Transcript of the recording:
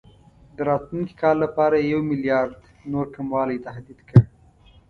د راتلونکي کال لپاره یې یو میلیارډ نور کموالي تهدید کړ.